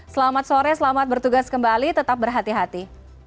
selamat sore selamat bertugas kembali tetap berhati hati